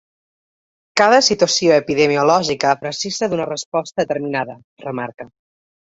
Cada situació epidemiològica precisa d’una resposta determinada, remarca.